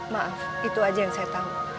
maaf itu aja yang saya tahu